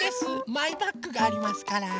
マイバッグがありますから。